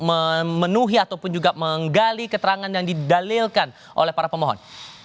memenuhi ataupun juga menggali keterangan yang didalilkan oleh para pemohon